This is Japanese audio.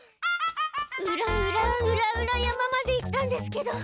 うらうらうらうら山まで行ったんですけど。